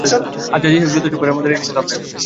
আচ্ছা, যেই হোক যথেষ্ট প্যারার মধ্যে রেখেছিল আপনাকে।